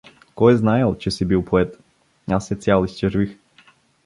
Кой е знаял, че си бил поет… Аз се цял изчервих.